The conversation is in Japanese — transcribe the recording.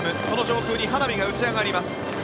その上空に花火が打ち上がります。